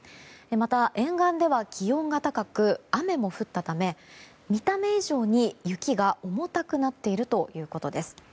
また、沿岸では気温が高く雨も降ったため見た目以上に雪が重たくなっているということです。